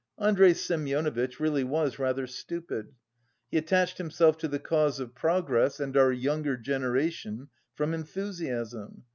Andrey Semyonovitch really was rather stupid; he attached himself to the cause of progress and "our younger generation" from enthusiasm.